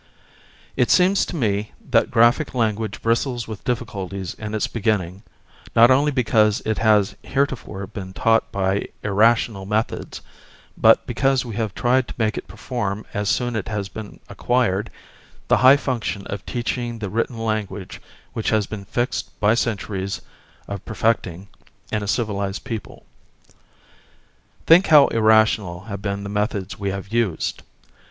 It seems to me that graphic language bristles with difficulties in its beginning, not only because it has heretofore been taught by irrational methods, but because we have tried to make it perform, as soon as it has been acquired, the high function of teaching the written language which has been fixed by centuries of perfecting in a civilised people. Think how irrational have been the methods we have used!